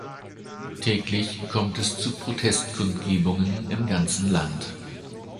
Täglich kommt es zu Protestkundgebungen im ganzen Land.